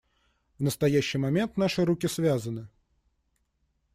В настоящий момент наши руки связаны.